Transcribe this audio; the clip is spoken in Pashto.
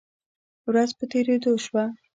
ورځ په تیریدو شوه